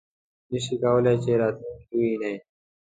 نه شي کولای چې راتلونکی وویني .